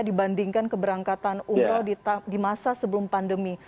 dibandingkan keberangkatan umroh di masa sebelum pandemi